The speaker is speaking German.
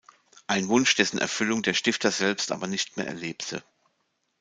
Ein Wunsch, dessen Erfüllung der Stifter selbst aber nicht mehr erlebte.